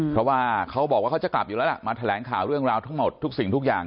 เพราะว่าเขาบอกว่าเขาจะกลับอยู่แล้วล่ะมาแถลงข่าวเรื่องราวทั้งหมดทุกสิ่งทุกอย่าง